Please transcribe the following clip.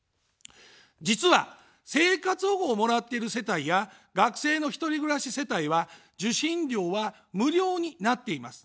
実は、生活保護をもらっている世帯や学生の１人暮らし世帯は受信料は無料になっています。